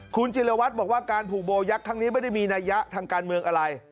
คุณจิลวัตรบอกว่าการผูกโบยักษ์ครั้งนี้ไม่ได้มีนัยยะทางการเมืองอะไร